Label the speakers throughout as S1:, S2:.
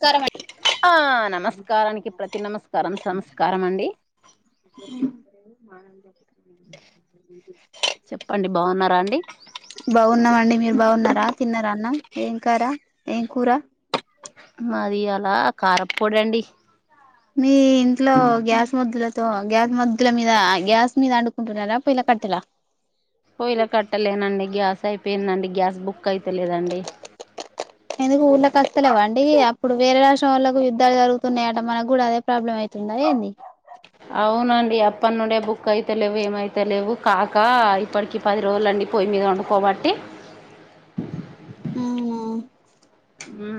S1: నమస్కారం
S2: ఆ నమస్కారానికి ప్రతి నమస్కారం సంమస్కారం అండి
S1: కూసోని చెప్తా లేదు మనం చెప్పు
S2: చెప్ప
S1: బాగున్నామండి మీరు బాగున్నారా తిన్నారా అన్నం ఏంకార ఏం కూర
S2: మాది ఈయాల కారం పొడి అండి
S1: మీ ఇంట్లో గ్యాస్ మద్దులతో గ్యాస్ మద్దుల మీద గ్యాస్ మీద ఆండుకుంటున్నారా పోయిల క కట్టెల
S2: పొయ్యిల కట్టలేనండి గ్యాస్ అయిపోయిందండి గ్యాస్ బుక్ అయితే లేదండి
S1: ఎందుకు ఊళ్ళ కొత్త లేవా అండి అప్పుడు వేరే రాష్టం వాళ్ళకు యుద్ధాలు జరుగుతున్నాయట మనకు కూడా అదే ప్రాబ్లమ్ అవుతుంది ఏంది
S2: అవునండి అప్పనుండే బుక్ అయితే లేవు ఏమయితతే లేవు కాక ఇప్పటికి పది రోజులు అండి పొయ్యి మీద వండుకోబట్టి
S1: అవునా
S2: ఉహు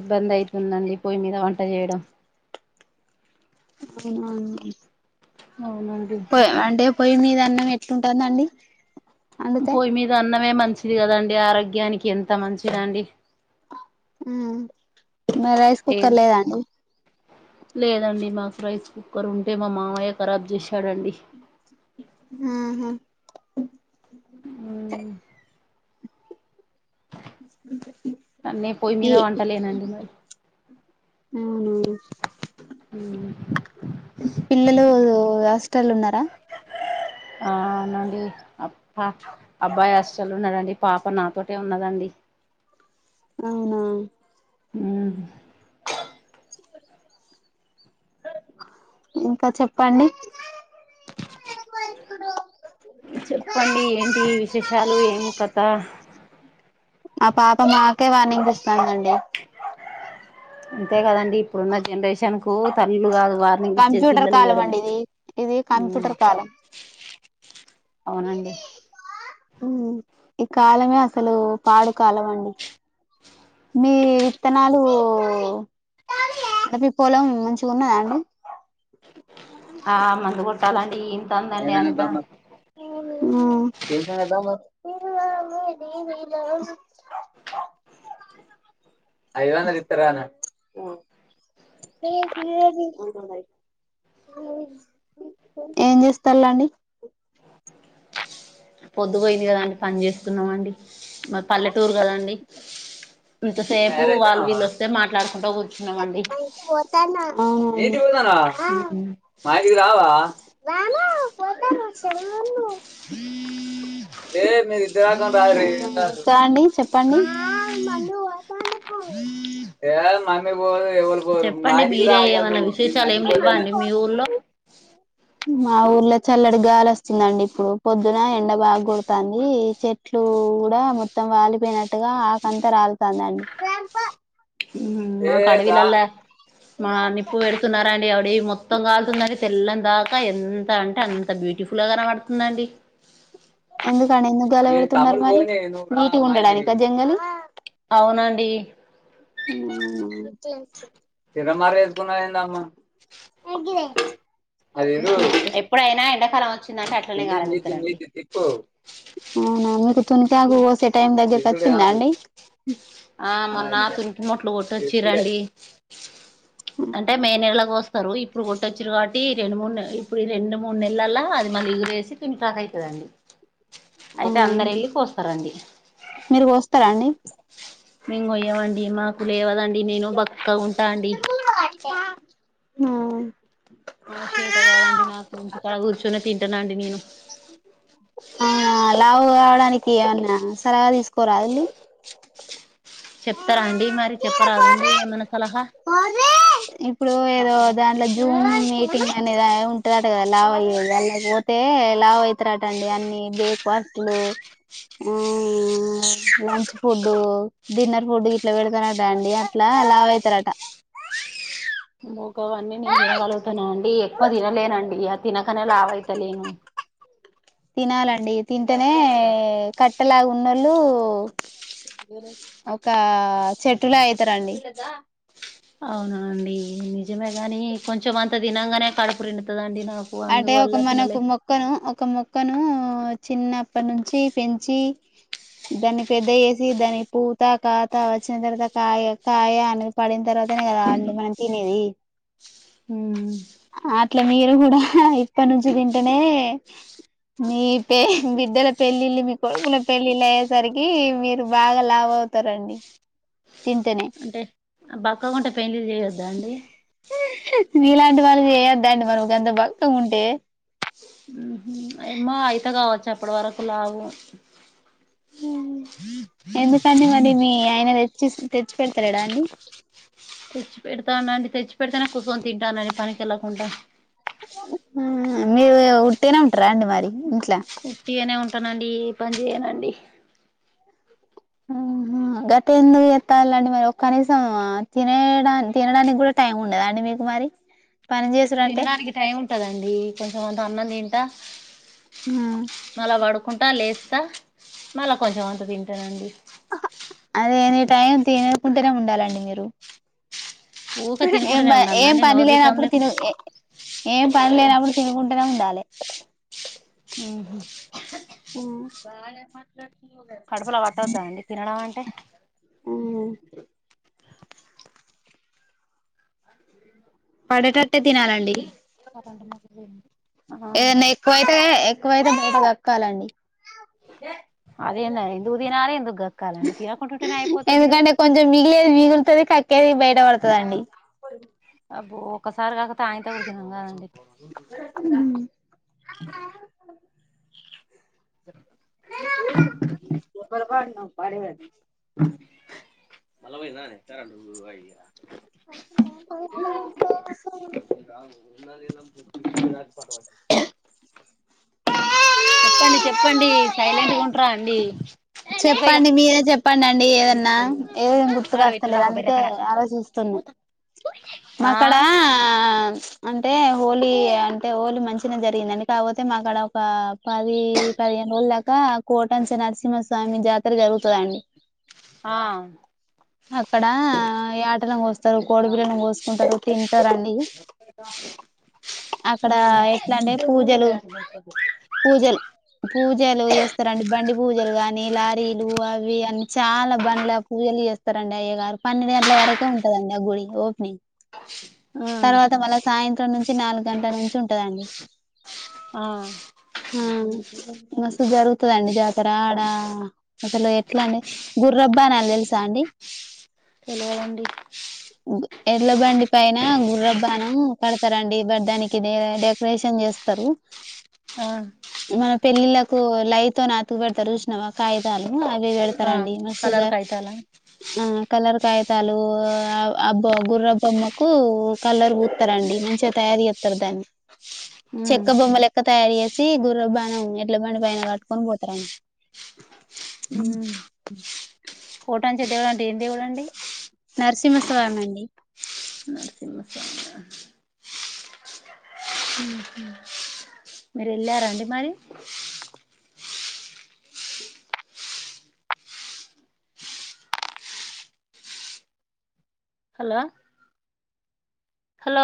S2: ఇబ్బంది అయితుందండి పొయ్యి మీద వంట చేయడం
S1: అవునా అండి
S2: అవునండి
S1: పోయి మీద అన్నం ఎట్లుంటుంది అండి
S2: పొయ్యి మీద అన్నమే మంచిది కదా అండి ఆరోగ్యానికి ఎంత మంచిది అండి
S1: హ మరే రైస్ కుక్కర్
S2: ఏది
S1: లేదా అండి
S2: లేదండి మాకు రైస్ కుక్కర్ ఉంటే మా మామయ్య కరాబ్ చేసి
S1: ఆహా
S2: నే పొయ్యి
S1: ఏ
S2: మీద వంటలేనండి మరి
S1: అవును పిల్లలూ ఆస్ స్టల్ల్ ఉన్నారా
S2: ఆ అ అవునండి అప్ప అబ్బాయ్ హాస్టల్ ఉన్నాడండి, పాప నాతోటే ఉన్నదండి.
S1: అవునా
S2: ఊ
S1: ఇంక చెప్పండి
S2: చెప్పండి ఏంటీ విశేషాలు ఏం కథ
S1: ఆ పాప మాకే వార్నింగ్ ఇస్తాందండి
S2: అంతే గదండి ఇప్పుడున్న జనరేషన్ కు తల్లులు గాదు వార్నింగ్ ఇచ్చేది
S1: కంప్యూటర్
S2: పిల్లలు
S1: కాలం
S2: ఈయడమే
S1: అండి ఇది ఇది
S2: ఊ
S1: కంప్యూటర్ కాలం
S2: అవునండి
S1: ఊ ఈ కాలమే అసలు పాడు కాలం అండి మీ విత్తనాలూ ద మీ పొలం మంచిగ ఉన్నదా అండి
S2: ఆ మందు గొట్టాలండీ ఇంతందండి అంతా
S1: ఊ ఉ ఏం చేస్తాల్లండి
S2: పొద్దువోయింది గదా అండి పని చేస్తున్నామండి మాది పల్లెటూరు గదండి ఇంతసేపు వాళ్ళు వీళ్ళొస్తే మాట్లాడు
S1: ఆ రాను పోతున్న ఇంకా అండి చెప్పండి ఏ మనమే పోవాలే వల్ బ మా
S2: చెప్పండి
S1: ఇంటి కూడా
S2: మీరే
S1: ఆగాను
S2: ఏమన్నా
S1: న
S2: విశేషాలు
S1: నమ్
S2: ఏం
S1: పోలే
S2: లేవా అండి మీ ఊర్లో
S1: మా ఊర్లో చల్లడి గాలి వస్తుందండి ఇప్పుడు, పొద్దునా ఎండ బాగా గొడుతాందీ, చెట్లు. కూడా మొత్తం వాలిపోయినట్టుగా ఆకంతా రాల్తాంది అండి
S2: మాక్ అడివీలల్ల మా నిప్పు వెడుతున్నారండి అడివి మొ మొత్తం కాలుతుందని తెల్లన్ దాకా ఎంత అంటే అంత బ్యూటిఫుల్ గా కనవడుతుందండి
S1: ఎందుకండి ఎందు గాల వెడుతున్నారు మరి నీటిగుండడానికా జంగలు
S2: అవునండీ
S1: హూ అ
S2: ఎప్పుడైనా ఎండాకాలం వచ్చిందంటే అట్లనే
S1: కింది మీది
S2: గాలవెడతరండి
S1: మీది తిప్పు అవునా మీకు తున్టాకు కోసే టైం దగ్గరకొచ్చిందా అండి
S2: ఆ మొన్నా తుంటి మొట్లు కొట్టొచ్చిరండి అంటే మే నెలలో గోస్తరు ఇ ఇప్పుడు కొట్టొచ్చిర్రు కాబట్టి రెండు మూడు నె ఇప్పుడు ఈ రెండు మూడ్ నెల్లల్లా అది మళ్ళీ ఇగురు ఏసి చింతాకు అయితదండి. అయితే అందరెళ్ళి కోస్తారండి
S1: మీరు కోస్తారా అండి
S2: మేం గొయ్యవండి మాకు లేవదండి నేను బక్కగుంటా అండి
S1: హూ
S2: ఆ చేత గాదండి నాకు ఇంటి కాడ కూర్చొని తింటనండి నేను
S1: ఆ లావు కావడానికీ ఏమన్నా సలహా తీసుకోరాదండి
S2: చెప్తరా అండి మరి చెప్పరాదుండి ఏమన్న సలహా
S1: ఇప్పుడూ ఏదో దాంట్లో జూమ్ మీటింగ్ అనేదా ఉంటదట గదా లావు అయ్యేది అల్లక్ పోతే ఏ లావ్ అయితారట అండి అన్ని బ్రేక్ఫాస్ట్లు ఆ లంచ్ ఫుడ్ డిన్నర్ ఫుడ్ ఇట్లా పెడతారంటండి అట్లా లావ అయితారాట
S2: మూకావన్నీ నేను తినగలుగుతాను అండి ఎక్కువ తినలేనండి ఆ తినకనే లావ అయితలేను
S1: తినాలండి తింటేనే కట్టెలా ఉన్నళ్ళు ఒక చెట్టుల అయితారండి
S2: అవున అండి నిజమే గాని కొంచెం అంత తినంగానే కడుపు నిండుతాదండి
S1: అంటే ఒక మనకు మొక్కను ఒక మొక్క కుక్కను చిన్నప్పటి నుంచి పెంచి దాన్ని పెద్ద చేసి దాని పూత కాతా వచ్చిన తర్వాత కాయ కాయ అని పడిన తర్వాత అతనే కదా అడి మనం తినేది
S2: ఉమ్
S1: అట్లా మీరు కూడా ఇప్పటి నుంచి తింటేనే మీ పే బిడ్డల పెళ్ళిళ్ళ మీ కొడుకుల పెళ్ళిళ్ళ అయ్యేసరికి మీరు బాగా లాభ అవుతారండి తింటనే
S2: బక్కగా ఉండే పెండ్లి చేయొద్దా అండి
S1: మీలాంటి వాళ్ళు చేయొద్ద అండి మరి అంత బక్క ఉంటే
S2: ఉహు ఏమో అయిత కావచ్చు అప్పటి వరకు లవ్వు
S1: ఎందుకండి మరి మీ మీ ఆయన తెచ్చి తెచ్చి పెడతారడా అండి
S2: తెచ్చి పెడతానునండి తెచ్చి పెడితేనే కూసొని తింటానునండి పనికి వెళ్ళకుండా
S1: మీరు ఉట్టేనే ఉంటారా అండి మరి ఇంట్లో
S2: యూట్ గానే ఉంటానండి ఆ పని చేయనండి
S1: గత ఎందుకు ఎత్తాలండి మరి ఒ కనీసం తినడా తినడానికి కూడా టైం ఉండదు అండి మీకు మరి పని చేసుడంటే
S2: తినడానికి టైం ఉంటదండి కొంచెంమంత అన్నం తింటా
S1: హా
S2: కుంటా లేస్తా మళ్ళీ కొంచెం అంత తింటానండి
S1: అదేని టైం తిననుకుంటేనే ఉండాలండి మీరు
S2: ఊకే
S1: ఏం
S2: తినుకుంటూనే ఉండాలా
S1: ఏం
S2: అండి
S1: పని
S2: నోరు రికం
S1: లేనప్పుడు తిను
S2: లేకుండా
S1: ఏం పని లేనప్పుడు తిరుకుంటేనే ఉండాలి
S2: ఉహు
S1: ఓ
S2: కడుపులో పట్టద్దా అండి తినడం అంటే
S1: ఊ పడేటట్టే తినాలండి
S2: [inaudible]
S1: ఏదనా ఎక్కువైతే ఎక్కువైతే బయట కక్కాలండి
S2: అదేనా ఎందుకు తినాలి ఎందుకు కక్కాలండి తినకుంటుంటేనే అయిపోతుది కదా
S1: ఎందుకంటే కొంచెం మిగిలేది మిగులుతుది కక్కేది బయట పడుతదండి
S2: ఒక్కసారి కాకపోతే ఆయనతో కూడాడు తినంగానండి
S1: [unintelligible]
S2: అలభై నాని
S1: [unintelligible]
S2: పవ చెప్పండి చెప్పండి సైలెంట్ గా ఉంటార అండి ఇగో ఇగ
S1: చెప్పండి మీరే చెప్పండి అండి
S2: ఇది
S1: ఏదన్నా
S2: పక్కన పెట్టిన
S1: ఏదనా గుర్తుక
S2: గాడ పెట్టు
S1: వస్తాలేదు
S2: రాపో బెర్రె
S1: అందుకే
S2: కాడ
S1: ఆలోచిస్తు మాక్కడా
S2: ఆ
S1: అంటే హోలీ అంటే హోలీ మంచిగా జరిగిందండి కాకపోతే మాకు అడ ఒక పది పదిహేను రోజు దాకా కోటంచ నరసింహస్వామి జాతర జరుగుతుందండి
S2: అవు
S1: అక్కడా యటలను కోస్తారు కోడి పిల్లను కోసుకుంటారు తింటారు అన్ని చేస
S2: ఇది బావుంది
S1: అక్కడ ఎట్లాంటే పూజలు పూజల్ పూజలు చేస్తారండి బండి పూజలు గానీ లారీలు అవి అన్ని చాలా బండ్ల పూజలు చేస్తారండి అయ్య గారు పన్నెండు గంటల వరకే ఉంటాది [unintelligible] గుడి ఓపెన్ తర్వాత మళ్ళ సాయంత్రం నుంచి నాలుగు గంటల నుంచి ఉంటదండి
S2: ఆ
S1: ఆ మస్తు జరుగుతదండి జాతర ఆడ అసలు ఎట్లా అంటే గుర్రపు బాణా లుతెలుసా అండి
S2: తెలవదండి
S1: ఎడ్ల బండి పైన గుర్రపు బానం కడతారండి బట్ దానికి డెకరేషన్ చేస్తారు రూ
S2: ఆ
S1: మన పెళ్ళిళ్లకు లైతో నాతు పెడతారు చూసినావా కాయితాలు అవి
S2: ఆ
S1: పెడతారండి మసుధ
S2: కలర్ కాయితాల
S1: ఆ కలర్ కాగితాలు అ గుర్రబోమ్మకు కలర్ పూతారండి మంచిగా తయారు చేస్త రుదాన్ని
S2: ఉమ్
S1: చెక్క బొమ్మ లెక్క తయారు చేసి గుర్రపు బాణం ఎడ్ల బండి పైన కట్టుకొని పోతారండి హ
S2: ఉమ్ కోటాంచ దేవుడు అంటే ఏం దేవుడు అండి
S1: సవమండి [unintelligible]
S2: చిమ స మీరు వెళ్ళారా అండి మరి హలో హలో